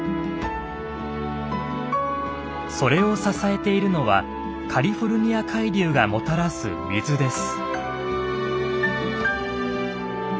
それを支えているのはカリフォルニア海流がもたらす水です。